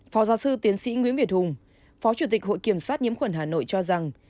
phó giáo sư tiến sĩ nguyễn việt hùng phó chủ tịch hội kiểm soát nhiễm khuẩn hà nội cho rằng